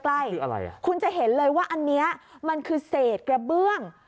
คืออะไรอ่ะคุณจะเห็นเลยว่าอันนี้มันคือเศษกระเบื้อง